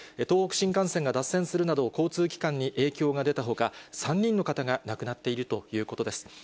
東北新幹線が脱線するなど、交通機関に影響が出たほか、３人の方が亡くなっているということです。